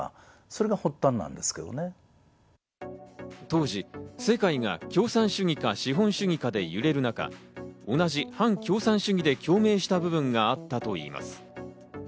当時、世界が共産主義か資本主義かで揺れる中、同じ反共産主義で共鳴した部分があったといいます。